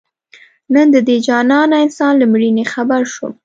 نن د دې جانانه انسان له مړیني خبر شوم